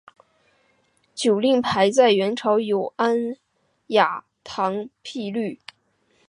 酒令牌在元朝有安雅堂觥律。